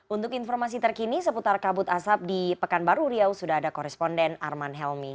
untuk informasi terkini seputar kabut asap di pekanbaru riau sudah ada koresponden arman helmi